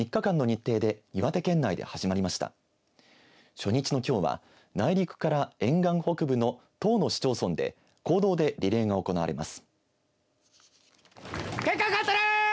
初日のきょうは内陸から沿岸北部の１０の市町村で公道でリレーが行われます。